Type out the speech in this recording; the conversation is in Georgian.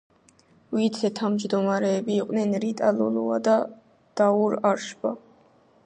ვიცე-თავმჯდომარეები იყვნენ რიტა ლოლუა და დაურ არშბა.